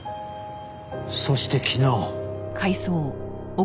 そして昨日。